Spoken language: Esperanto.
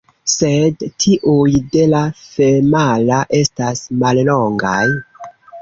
Sed tiuj de la femala estas mallongaj.